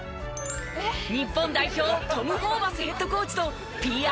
日本代表トム・ホーバスヘッドコーチとＰＲ